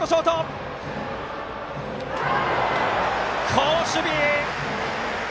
好守備！